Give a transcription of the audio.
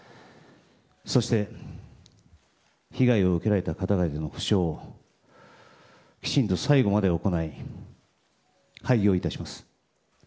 そして、被害を受けられた方々への補償をきちんと最後まで行い廃業いたします。